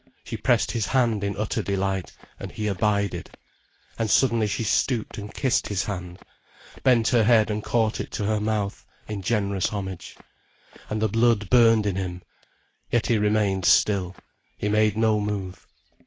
She pressed his hand in utter delight, and he abided. And suddenly she stooped and kissed his hand, bent her head and caught it to her mouth, in generous homage. And the blood burned in him. Yet he remained still, he made no move.